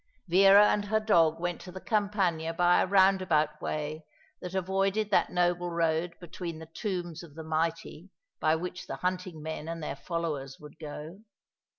Vera and her dog went to the Campagna by a roundabout way that avoided that noble road between the tombs of the mighty, by which the hunting men and their followers would go.